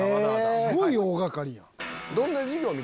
すごい大掛かりやん。